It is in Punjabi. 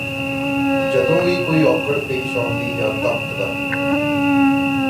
ਜਦੋਂ ਵੀ ਕੋਈ ਔਕੜ ਪੇਸ਼ ਆਉਂਦੀ ਜਾ ਧਮਕਦਾ